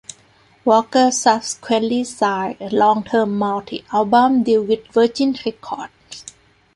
Walker subsequently signed a long-term multi album deal with Virgin Records.